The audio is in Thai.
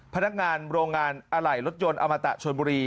พนักงานโรงงานอะไหล่รถยนต์อมตะชนบุรี